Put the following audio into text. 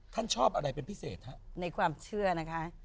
ชอบอะไรเป็นพิเศษฮะในความเชื่อนะคะ